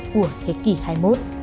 của thế kỷ này